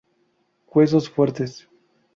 Huesos fuertes.